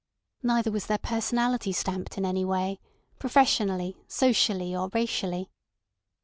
Neither was their personality stamped in any way, professionally, socially or racially.